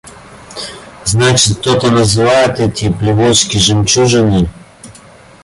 Значит – кто-то называет эти плевочки жемчужиной?